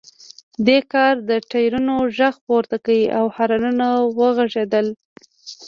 دې کار د ټایرونو غږ پورته کړ او هارنونه وغږیدل